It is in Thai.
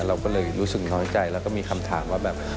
เราก็เลยรู้สึกน้อยใจแล้วก็มีคำถามว่าแบบ